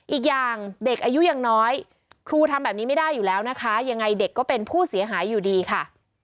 อีกอย่างเด็กอายุยังน้อยครูทำแบบนี้ไม่ได้อยู่แล้วนะคะยังไงเด็กก็เป็นผู้เสียหายอยู่ดีค่ะ